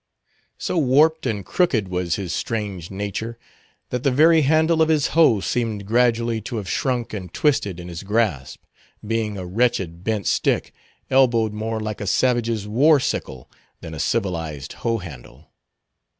So warped and crooked was his strange nature, that the very handle of his hoe seemed gradually to have shrunk and twisted in his grasp, being a wretched bent stick, elbowed more like a savage's war sickle than a civilized hoe handle.